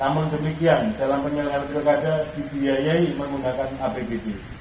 namun demikian dalam penyelenggaraan pilkada dibiayai menggunakan apbd